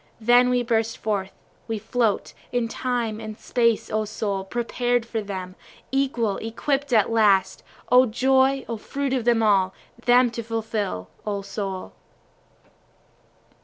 Then we burst forth, we float, In Time and Space O soul, prepared for them, Equal, equipt at last, (O joy! O fruit of all!) them to fulfil O soul.